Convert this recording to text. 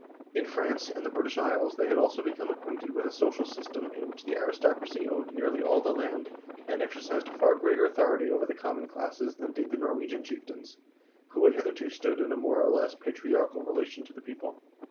In France and the British Isles they had also become acquainted with a social system in which the aristocracy owned nearly all the land, and exercised a far greater authority over the common classes than did the Norwegian chieftains, who had hitherto stood in a more or less patriarchal relation to the people.